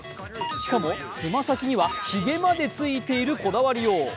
しかも、爪先にはひげまでついているこだわりよう。